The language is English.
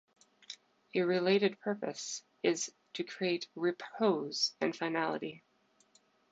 A related purpose is to create "repose" and finality.